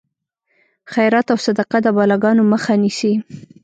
خیرات او صدقه د بلاګانو مخه نیسي.